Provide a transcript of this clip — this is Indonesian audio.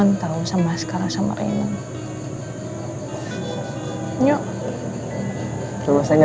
nggak ada kata kata yang jelas